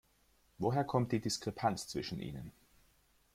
Woher kommt die Diskrepanz zwischen ihnen?